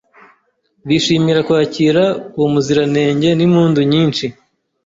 bishimira kwakira uwo muziranenge n’impundu nyinshi